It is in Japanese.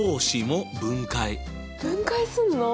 分解すんの？